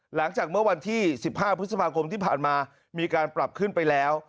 หลังจากเมื่อวันที่๑๕พฤษภาคมที่ผ่านมามีการปรับขึ้นไปแล้ว